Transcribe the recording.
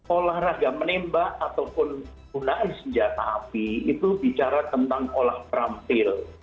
olahraga menembak ataupun gunai senjata api itu bicara tentang olah terampil